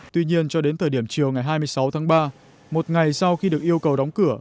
tuy nhiên cho đến thời điểm chiều ngày hai mươi sáu tháng ba một ngày sau khi được yêu cầu đóng cửa